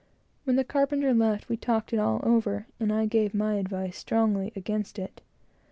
When the carpenter left, we talked it all over, and I gave my advice strongly against it.